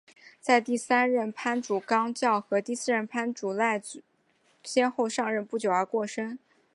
在第三任藩主纲教和第四任藩主赖织先后上任不久而过身。